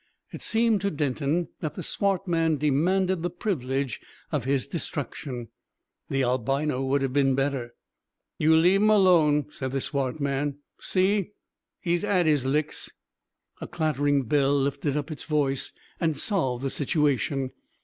It seemed to Denton that the swart man demanded the privilege of his destruction. The albino would have been better. "You leave 'im alone," said the swart man. "See? 'E's 'ad 'is licks." A clattering bell lifted up its voice and solved the situation.